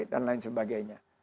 dan lain sebagainya